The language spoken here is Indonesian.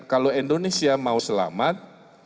kalau indonesia mau selamat